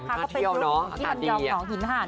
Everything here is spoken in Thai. ก็เป็นรุ่นที่ลำยองน้องหินห่าวนั่นแหละคุณผู้ชม